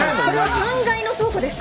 ３階の倉庫です。